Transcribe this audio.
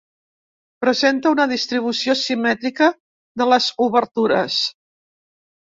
Presenta una distribució simètrica de les obertures.